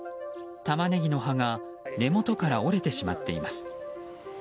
タマネギの葉が根元から折れてしまっています。